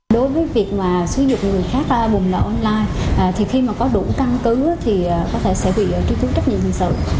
đối với việc mà xử dụng người khác bùng lợi online thì khi mà có đủ căn cứ thì có thể sẽ bị truy tướng trách nhiệm hình sự